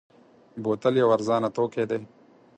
بوتل یو ارزانه توکی دی.